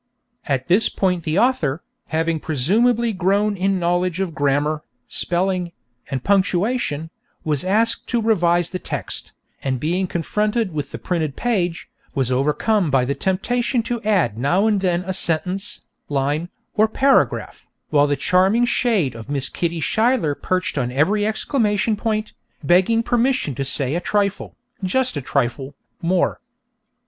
At this point the author, having presumably grown in knowledge of grammar, spelling, and punctuation, was asked to revise the text, and being confronted with the printed page, was overcome by the temptation to add now and then a sentence, line, or paragraph, while the charming shade of Miss Kitty Schuyler perched on every exclamation point, begging permission to say a trifle, just a trifle, more.